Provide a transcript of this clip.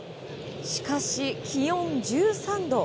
しかし気温１３度。